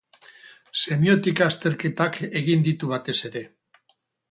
Semiotika azterketak egin ditu batez ere.